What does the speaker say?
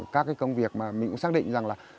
các cái công việc mà mình cũng xác định rằng là